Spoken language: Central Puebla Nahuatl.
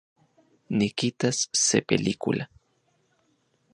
Nikitas se película